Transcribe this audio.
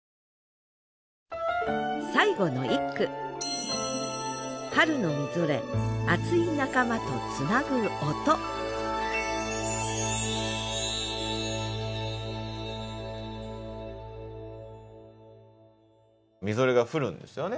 最後の一句霙が降るんですよね